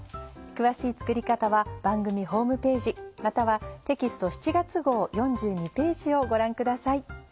詳しい作り方は番組ホームページまたはテキスト７月号４２ページをご覧ください。